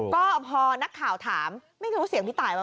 ก็พอนักข่าวถามไม่รู้เสียงพี่ตายว่า